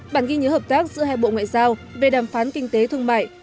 bản ghi nhớ hợp tác giữa hai bộ ngoại giao về đàm phán kinh tế thương mại